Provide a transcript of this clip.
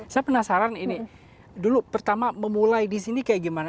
saya penasaran ini dulu pertama memulai di sini kayak gimana